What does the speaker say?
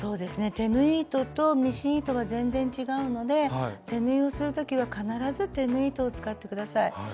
手縫い糸とミシン糸は全然違うので手縫いをする時は必ず手縫い糸を使って下さい。